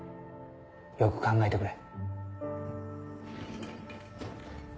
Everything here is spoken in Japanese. よく考えてくれ。